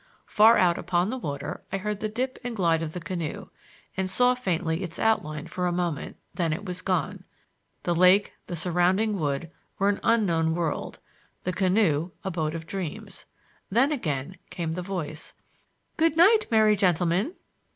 Far out upon the water I heard the dip and glide of the canoe, and saw faintly its outline for a moment; then it was gone. The lake, the surrounding wood, were an unknown world,—the canoe, a boat of dreams. Then again came the voice: "Good night, merry gentlemen!"